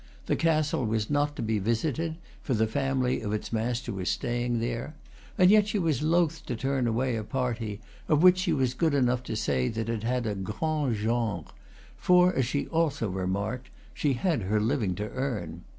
The castle was not to be visited, for the family of its master was staying there; and yet she was loath to turn away a party of which she was good enough to say that it had a grand genre; for, as she also remarked, she had her living to earn.